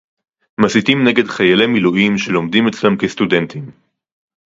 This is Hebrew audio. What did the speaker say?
מסיתים נגד חיילי מילואים שלומדים אצלם כסטודנטים